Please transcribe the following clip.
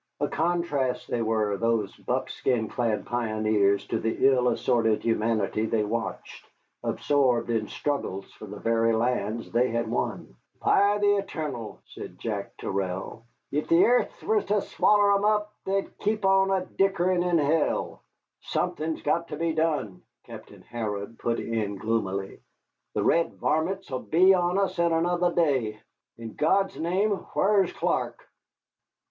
A contrast they were, these buckskin clad pioneers, to the ill assorted humanity they watched, absorbed in struggles for the very lands they had won. "By the eternal!" said Jack Terrell, "if the yea'th was ter swaller 'em up, they'd keep on a dickerin' in hell." "Something's got to be done," Captain Harrod put in gloomily; "the red varmints 'll be on us in another day. In God's name, whar is Clark?"